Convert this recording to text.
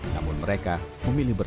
namun mereka tidak menanggap